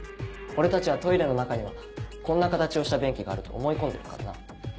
俺たちはトイレの中にはこんな形をした便器があると思い込んでるからな。